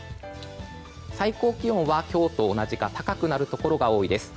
最高気温は今日と同じか高くなるところが多いです。